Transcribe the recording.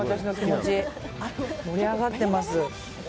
盛り上がってます。